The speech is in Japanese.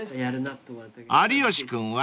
［有吉君は？］